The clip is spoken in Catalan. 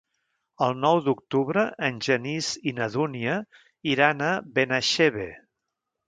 El nou d'octubre en Genís i na Dúnia aniran a Benaixeve.